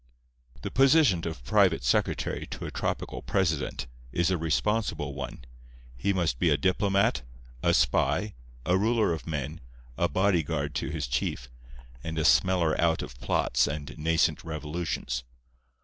The position of private secretary to a tropical president is a responsible one. He must be a diplomat, a spy, a ruler of men, a body guard to his chief, and a smeller out of plots and nascent revolutions.